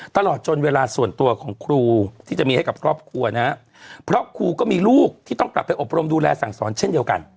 ตลอดจนเวลาส่วนตัวของครูที่จะมีให้กับครอบครัวนะเพราะครูก็มีลูกที่ต้องกลับไปอบรมดูแลสั่งสอนเช่นเดียวกัน